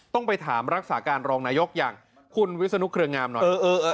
ต้องไปถามรักษาการรองนายกอย่างคุณวิศนุเครืองามหน่อย